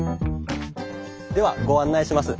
ではご案内します。